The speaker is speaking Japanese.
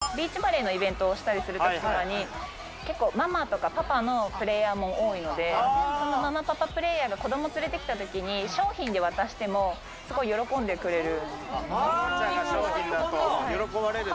イベントでビーチバレーのイベントをしたりするときとかに、結構ママとかパパのプレーヤーも多いので、そのママパパプレーヤーに子供連れてきた時に賞品で渡しても、すごい喜んでくれる。